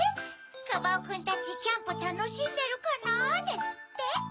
「カバオくんたちキャンプたのしんでるかなぁ」ですって。